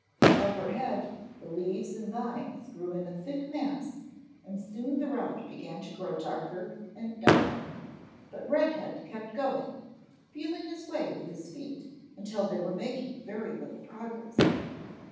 Overhead the leaves and vines grew in a thick mass and soon the route began to grow darker and darker, but Red head kept going, feeling his way with his feet until they were making very little progress.